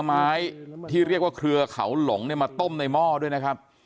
ไม้ที่เรียกว่าเครือเขาหลงเนี่ยมาต้มในหม้อด้วยนะครับ